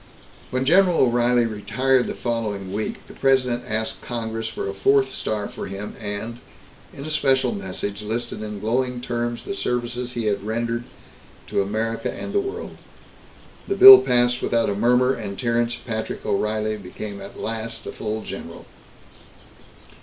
When General O'Reilly retired the following week, the President asked Congress for a fourth star for him and, in a special message, listed in glowing terms the services he had rendered to America and the world. The bill passed without a murmur, and Terence Patrick O'Reilly became at last a full general.